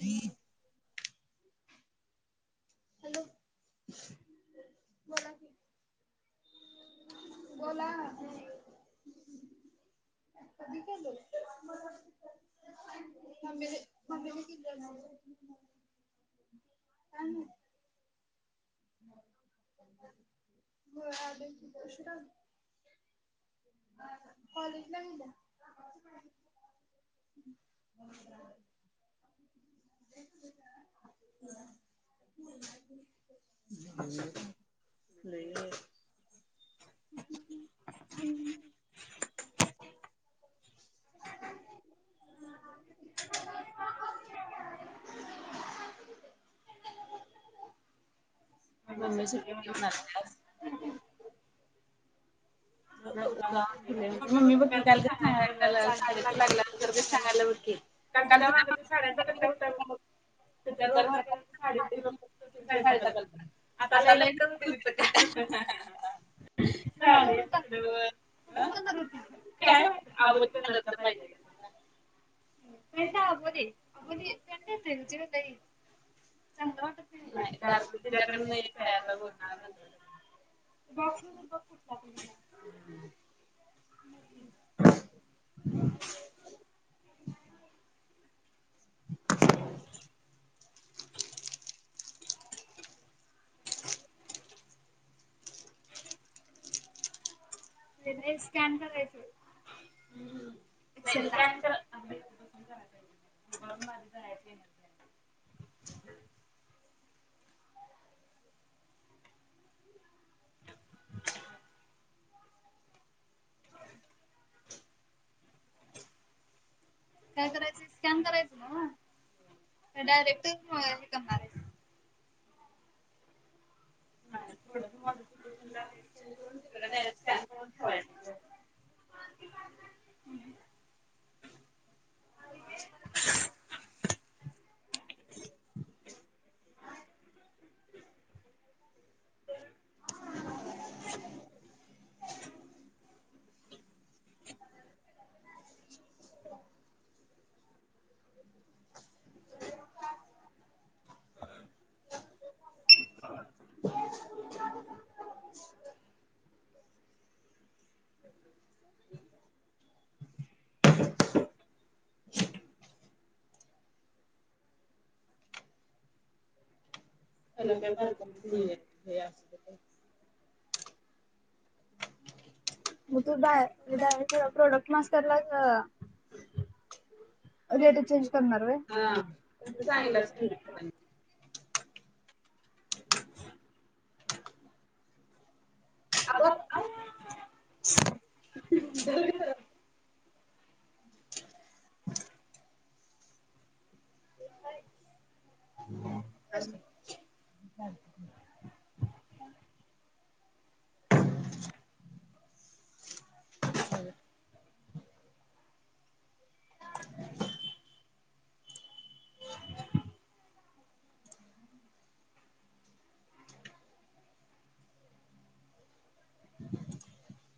हम् [inaudible] बोला कधी केल म मम किनणार हम हो का कॉलेज ला गेलिया हो हम ह नाही नाही हम् [inaudible] यांना सुट्टी घे म्हणायलं त्या मम्मी बघकी काल सयच लागला तर सांहायला बघकी कारण सुद्धा मागा साड्यांचा कट्टा होत सध्या साड यल आता लय वाटत होतेपत हा बरोबर काय अवोला तर माहितीे त्याचा [unintelligible] ते [unintelligible] त्यांचा तिनशे रुपये. चग वाटत नाहि [unintelligible] बघणार हाय [unintelligible] बॉक्समध्ये बघ कुठला कलर हाय मग घे. [inaudible] [unintelligible] स्कॅन करायच होतं. [unintelligible] त [unintelligible] बसून कराय पाहिजे होतं. उभारून माझी [unintelligible] येईनात. [unintelligible] [inaudible] काय करायच स्कॅन करायच नव्हं. काय डायरेक्ट हे करणार हाइस. [unintelligible] तिकडं जायचं स्कॅन करून ठेवायचं. [unintelligible] [inaudible] [inaudible] [unintelligible] [inaudible] पहिला त्या पालकांची हे असुदे बाई. म तु डाय - डायरेक्ट प्रोडक्ट [unintelligible] रेट चेंज करणार होय. हं. तसचं सांगितला [unintelligible] [unintelligible] [inaudible] हाय [unintelligible] [unintelligible] [unintelligible] अता [unintelligible] [unintelligible]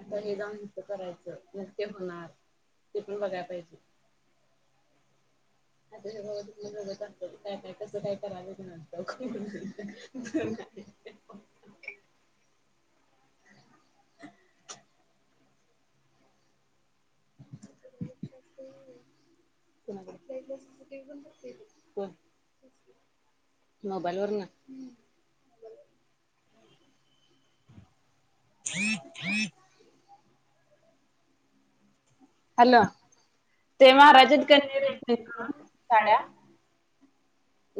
आता हे जाऊन हित करायचं मग ते होणार ते पण बघायला पाहिजे. आताच्या सगळं तितनं बघत असतोय. काय काय कसं काय कराचल्यात म्हणतोय. हि हं [unintelligible] कुणाकडं [unintelligible] ते पण बघतोय तो. मोबाईल वरन. [inaudible] हॅलो. ते महाराज हाईत [unintelligible] दिलयं म्हणावं साड्या.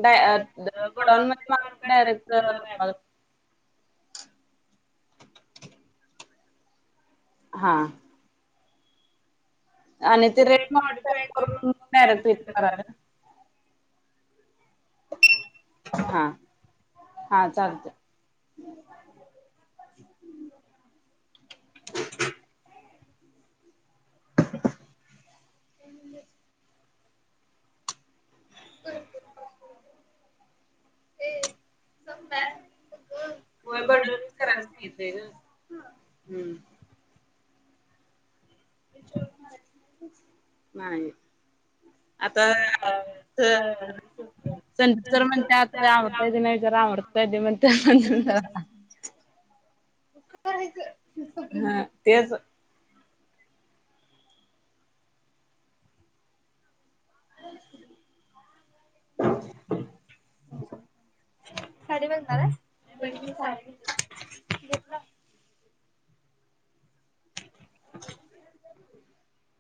डाय अ गोडाऊनमध्ये माल [unintelligible] डायरेक्ट [unintelligible] हा आ. आणि ते रेड मा [unintelligible] करायला हा. हा चालतयं. [unintelligible] तुम्ही [unintelligible] ए समजाय ग होय [unintelligible] अस येतयगं. हम्म. नाही. आता अस हा. [unintelligible] सर म्हणत्यात आता अमृता पाहि [unintelligible] नाहीतर अमृतरदी म्हणत्यात मला. [inaudible] करायच ह [unintelligible] हं. तेच [unintelligible] साडी बघणार हाय? बघितली साडी [unintelligible] [unintelligible]